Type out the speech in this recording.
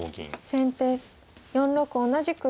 先手４六同じく歩。